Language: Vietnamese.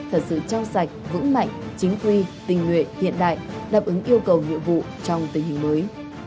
thật sự trong sạch vững mạnh chính quy tình nguyện hiện đại đáp ứng yêu cầu nhiệm vụ trong tình hình mới